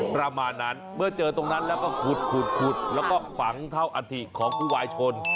ประมาณนั้นเมื่อเจอตรงนั้นแล้วก็ขุดแล้วก็ฝังเท่าอัฐิของผู้วายชน